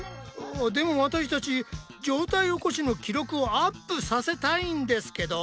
でも私たち上体起こしの記録をアップさせたいんですけど！